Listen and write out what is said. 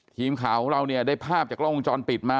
ทีมข่าวของเราเนี่ยได้ภาพจากกล้องวงจรปิดมา